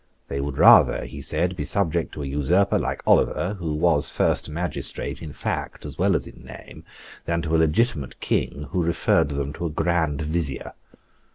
They would rather, he said, be subject to an usurper like Oliver, who was first magistrate in fact as well as in name, than to a legitimate King who referred them to a Grand Vizier.